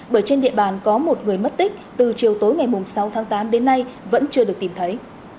bởi trên địa bàn có một người mất tích từ chiều tối ngày sáu tháng tám đến nay vẫn chưa được tìm thấy